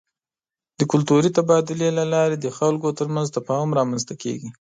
د کلتوري تبادلې له لارې د خلکو ترمنځ تفاهم رامنځته کېږي.